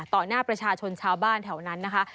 หน้าประชาชนชาวบ้านแถวนั้นนะคะ